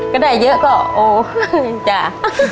ก็ได้เยอะกว่าโอจ้า